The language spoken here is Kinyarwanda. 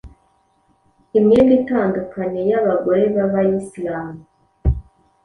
imyenda itandukanye y’abagore b’abayislam